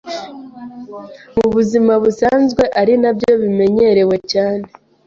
Mu buzima busanzwe ari na byo bimenyerewe cyane,